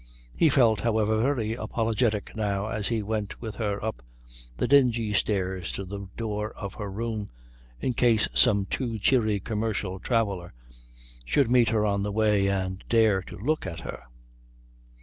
He felt, however, very apologetic now as he went with her up the dingy stairs to the door of her room in case some too cheery commercial traveller should meet her on the way and dare to look at her.